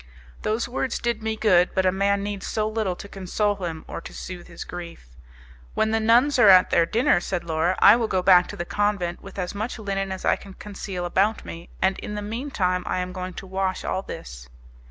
Those words did me good, but a man needs so little to console him or to soothe his grief. "When the nuns are at their dinner," said Laura, "I will go back to the convent with as much linen as I can conceal about me, and in the mean time I am going to wash all this."